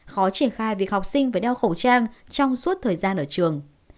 khó triển khai việc học sinh phải đeo khẩu trang trong suốt thời gian ở trường